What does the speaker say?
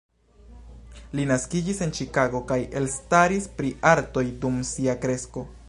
Li naskiĝis en Ĉikago kaj elstaris pri artoj, dum sia kresko.